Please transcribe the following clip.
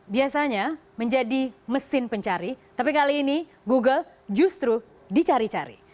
biasanya menjadi mesin pencari tapi kali ini google justru dicari cari